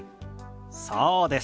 そうです。